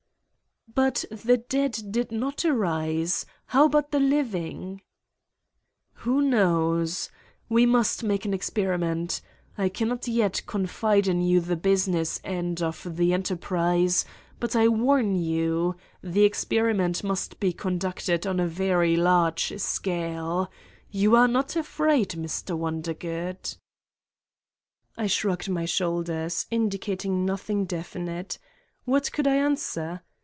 "But the dead did not arise. How about the living?" "Who knows? We must make an experiment. 174 Satan's Diary I cannot yet confide in you the business end of the enterprise but I warn you: the experiment must be conducted on a very large scale. You are not afraid, Mr. Wondergood." I shrugged my shoulders indicating nothing definite. What could I answer?